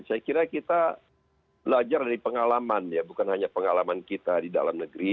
saya kira kita belajar dari pengalaman ya bukan hanya pengalaman kita di dalam negeri